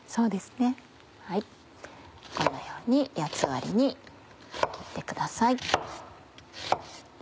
このように八つ割りに切ってください。